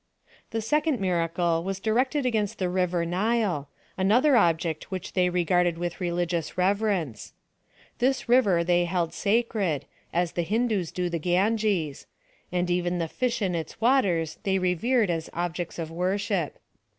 The second miracle was directed against the rivei Nile, another object which they regarded with re ligious reverence. This river they held sacred, as the Hindoos do the Ganges; and even the fish in its waters they revered as objects of worship.